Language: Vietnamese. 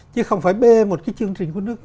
chứ không phải bê một cái chương trình của nước